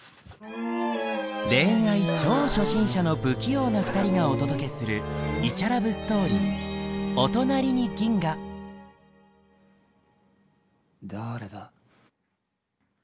恋愛超初心者の不器用な２人がお届けするイチャラブストーリーだれだ？